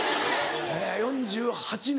４８年。